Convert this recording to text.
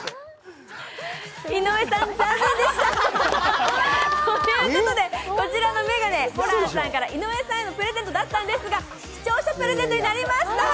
井上さん、残念でした！ということで、こちらはホランさんから井上さんへのプレゼントだったんですが視聴者プレゼントになりました。